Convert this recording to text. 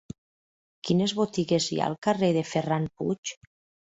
Quines botigues hi ha al carrer de Ferran Puig?